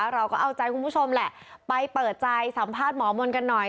เราก็เอาใจคุณผู้ชมแหละไปเปิดใจสัมภาษณ์หมอมนต์กันหน่อย